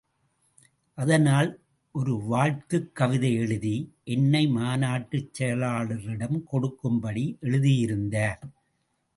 அதனால் ஒரு வாழ்த்துக் கவிதை எழுதி, என்னை மாநாட்டுச் செயலாளரிடம் கொடுக்கும்படி எழுதியிருந்தார்.